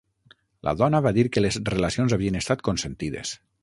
La dona va dir que les relacions havien estat consentides